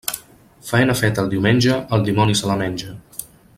Faena feta el diumenge, el dimoni se la menge.